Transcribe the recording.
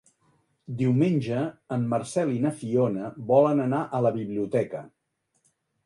Diumenge en Marcel i na Fiona volen anar a la biblioteca.